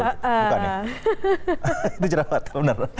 bukan ya itu jerawat bener